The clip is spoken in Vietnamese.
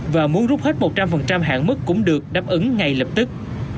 và muốn rút hết một trăm linh hạn mức cũng được đáp ứng ngay lập tức